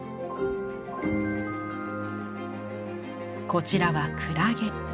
こちらはクラゲ。